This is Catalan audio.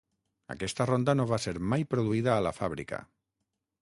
Aquesta ronda no va ser mai produïda a la fàbrica.